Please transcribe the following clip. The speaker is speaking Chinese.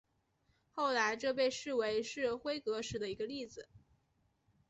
后来这被视为是辉格史的一个例子。